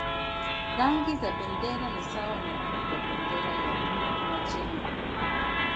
Rangi za bendera ni sawa na rangi za bendera ya Uajemi.